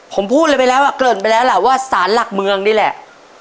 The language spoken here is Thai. ผมพูดเลยไปแล้วเกิดไปแล้วล่ะว่าสารหลักเมืองนี่แหละ